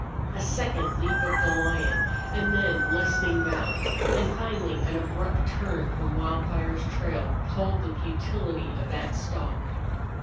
A second leap of the lion, and then lessening bounds, and finally an abrupt turn from Wildfire's trail told the futility of that stalk.